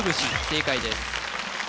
正解です